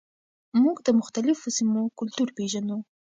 موږ د مختلفو سیمو کلتور پیژنو.